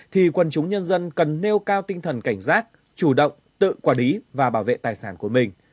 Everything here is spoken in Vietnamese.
thì quần chúng nhân dân cần nêu cao tinh thần cảnh giác chủ động tự quản lý và bảo vệ tài sản của mình